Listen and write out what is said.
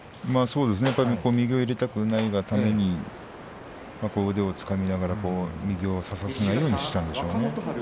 右を入れたくないがために腕をつかみながら右を差させないようにしたんでしょうね。